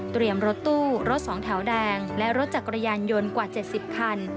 รถตู้รถสองแถวแดงและรถจักรยานยนต์กว่า๗๐คัน